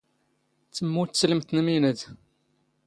ⵜⵎⵎⵓⵜ ⵜⵙⵍⵎⵜ ⵏ ⵎⵉⵏⴰⴷ.